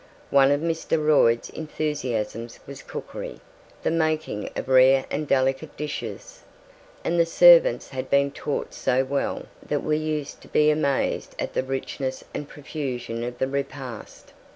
One of Mr. Royd's enthusiasms was cookery the making of rare and delicate dishes and the servants had been taught so well that we used to be amazed at the richness and profusion of the repast.